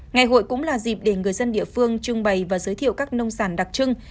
ngày hội cũng là dịp để người dân địa phương trưng bày và giới thiệu các nông sản đặc trưng